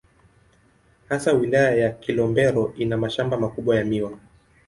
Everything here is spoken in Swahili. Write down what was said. Hasa Wilaya ya Kilombero ina mashamba makubwa ya miwa.